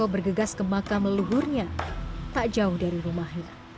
bergegas ke makam leluhurnya tak jauh dari rumahnya